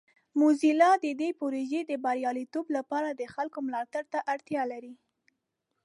موزیلا د دې پروژې د بریالیتوب لپاره د خلکو ملاتړ ته اړتیا لري.